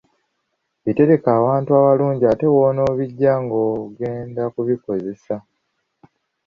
Bitereke awantu awalungi ate w‘onoobijja ng‘ogenda okubikozesa.